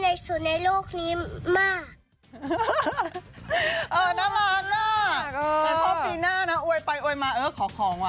เอ่อน้าร้านหน้าชอบบีน่านะไปโอ๊ยมาขอของ